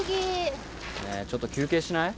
ねえちょっと休憩しない？